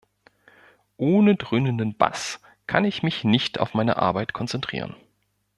Ohne dröhnenden Bass kann ich mich nicht auf meine Arbeit konzentrieren.